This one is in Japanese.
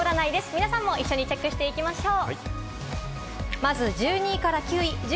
皆さんも一緒にチェックしていきましょう。